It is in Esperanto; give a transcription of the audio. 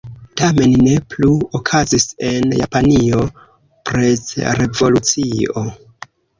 Tamen ne plu: okazis en Japanio prezrevolucio.